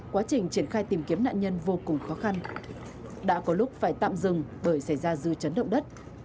quá trình triển khai tìm kiếm nạn nhân vô cùng khó khăn đã có lúc phải tạm dừng bởi xảy ra dư chấn động đất